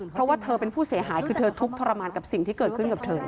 เพราะว่าเธอเป็นผู้เสียหายคือเธอทุกข์ทรมานกับสิ่งที่เกิดขึ้นกับเธอ